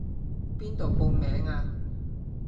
邊度報名啊？